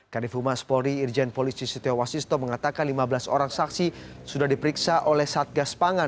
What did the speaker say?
kadefuma spori irjen polisi setia wasisto mengatakan lima belas orang saksi sudah diperiksa oleh satgas pangan